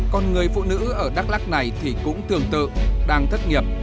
còn người phụ nữ ở đắk lắc này thì cũng tương tự đang thất nghiệp